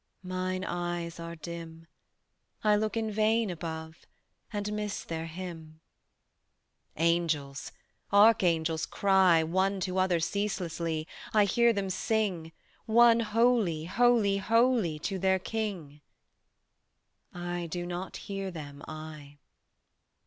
"Mine eyes are dim: I look in vain above, And miss their hymn." "Angels, Archangels cry One to other ceaselessly (I hear them sing) One 'Holy, Holy, Holy,' to their King." "I do not hear them, I."